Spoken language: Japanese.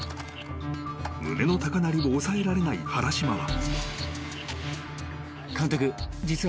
［胸の高鳴りを抑えられない原島は］